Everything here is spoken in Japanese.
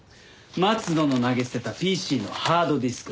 松野の投げ捨てたＰＣのハードディスク。